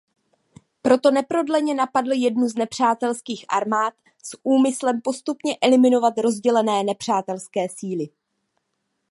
Proto neprodleně napadl jednu z nepřátelských armád s úmyslem postupně eliminovat rozdělené nepřátelské síly.